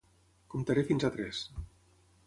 Comptaré fins a tres.